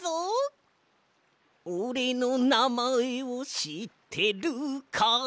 「オレのなまえをしってるかい？」